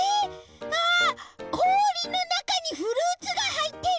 あっこおりのなかにフルーツがはいってる！